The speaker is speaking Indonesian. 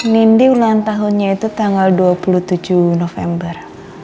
nindi ulang tahunnya itu tanggal dua puluh tujuh november